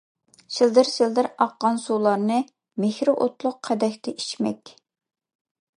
شىلدىر-شىلدىر ئاققان سۇلارنى، مېھرى ئوتلۇق قەدەھتە ئىچمەك.